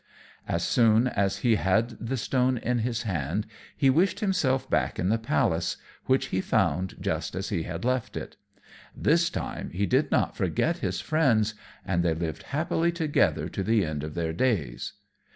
As soon as he had the stone in his hand he wished himself back in the palace, which he found just as he had left it. This time he did not forget his friends, and they lived happily together to the end of their days.